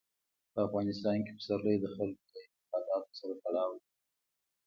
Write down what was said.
په افغانستان کې پسرلی د خلکو د اعتقاداتو سره تړاو لري.